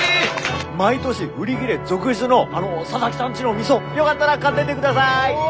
毎年売り切れ続出の佐々木さんちの味噌よがったら買ってってください！